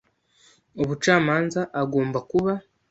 ubucamanza agomba kuba